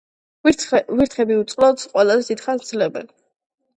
ვირთხები უწყლოდ ყველაზე დიდ ხანს ძლებენ